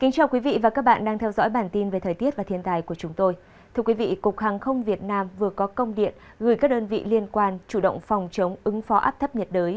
các bạn hãy đăng ký kênh để ủng hộ kênh của chúng tôi nhé